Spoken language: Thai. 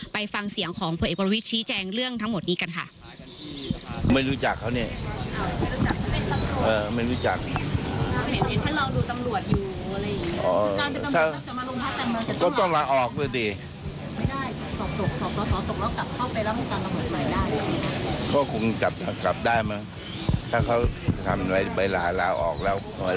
ไปฟังเสียงของพลเอกประวิทย์ชี้แจงเรื่องทั้งหมดนี้กันค่ะ